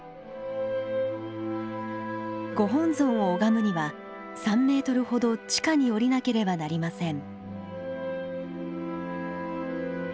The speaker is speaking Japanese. ご本尊を拝むには３ｍほど地下に降りなければなりません。